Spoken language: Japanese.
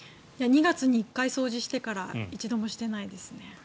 ２月に１回掃除してから一度もしてないですね。